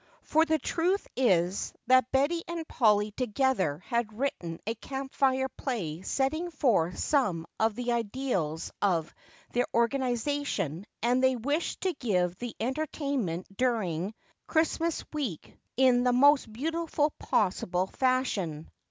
For the truth is that Betty and Polly together had written a Camp Fire play setting forth some of the ideals of their organization and they wished to give the entertainment during Christmas week in the most beautiful possible fashion.